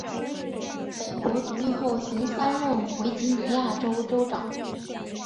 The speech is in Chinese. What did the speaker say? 美国独立后曾三任维吉尼亚州州长。